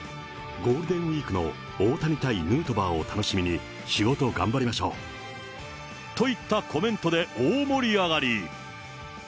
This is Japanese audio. ゴールデンウィークの大谷対ヌートバーを楽しみに、仕事頑張りましょう。といったコメントで大盛り上がり。